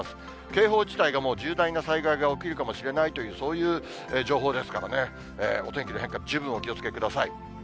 警報自体が、もう重大な災害が起きるかもしれないという、そういう情報ですからね、お天気の変化、十分お気をつけください。